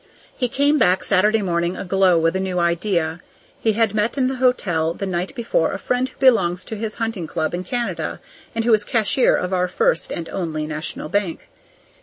He came back Saturday morning aglow with a new idea. He had met at the hotel the night before a friend who belongs to his hunting club in Canada, and who is cashier of our First (and only) National Bank.